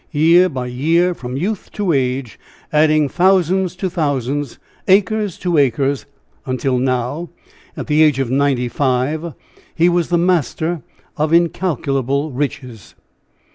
Year by year, from youth to age, adding thousands to thousands, acres to acres; until now, at the age of ninety five, he was the master of incalculable riches.